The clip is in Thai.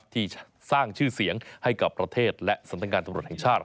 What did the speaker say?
ที่สร้างชื่อเสียงให้ประเทศและสันติการตำรวจแงชาติ